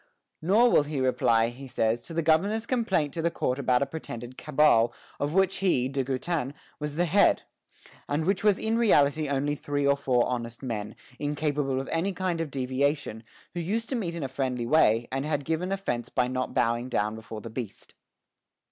Nor will he reply, he says, to the governor's complaint to the court about a pretended cabal, of which he, De Goutin, was the head, and which was in reality only three or four honest men, incapable of any kind of deviation, who used to meet in a friendly way, and had given offence by not bowing down before the beast.